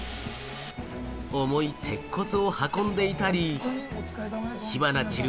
重い鉄骨を運んでいたり、火花散る